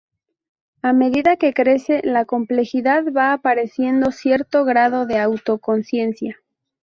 A medida que crece la complejidad va apareciendo cierto grado de autoconciencia.